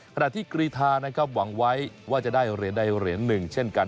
ขณะที่กรีธานะครับหวังไว้ว่าจะได้เหรียญใดเหรียญหนึ่งเช่นกัน